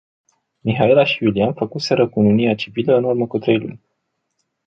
Mihaela și Iulian făcuseră cununia civilă în urmă cu trei luni.